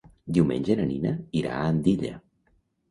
Diumenge na Nina irà a Andilla.